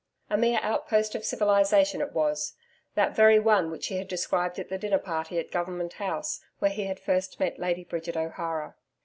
A mere outpost of civilisation it was that very one which he had described at the dinner party at Government House where he had first met Lady Bridget O'Hara.